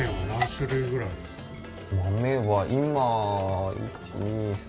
豆は今１２３。